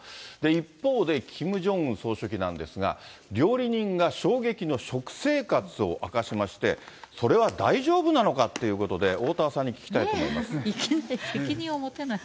一方で、キム・ジョンウン総書記なんですが、料理人が衝撃の食生活を明かしまして、それは大丈夫なのかということで、おおたわさんに聞きたいと思いま責任は持てない。